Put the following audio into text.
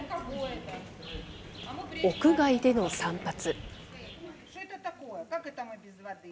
屋外での散髪。